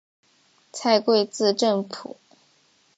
蔡圭字正甫。